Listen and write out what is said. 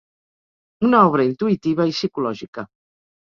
Una obra intuïtiva i psicològica.